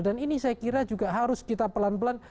dan ini saya kira juga harus kita pelan pelan